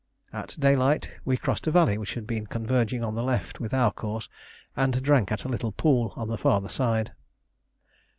At daylight we crossed a valley which had been converging on the left with our course, and drank at a little pool on the farther side.